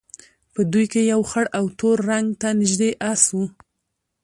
په دوی کې یو خړ او تور رنګ ته نژدې اس وو.